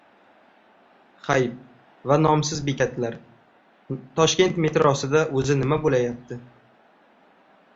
Xayp va nomsiz bekatlar. Toshkent metrosida o‘zi nima bo‘layapti?